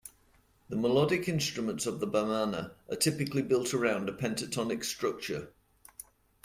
The melodic instruments of the Bamana are typically built around a pentatonic structure.